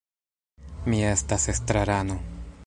Mi estas estrarano.